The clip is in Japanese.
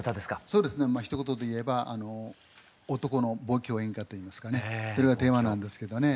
そうですねまあひと言で言えば男の望郷演歌といいますかねそれがテーマなんですけどね。